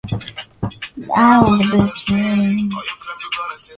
Bukavu yabo mali ya kuleta ku bukwe ni mangombe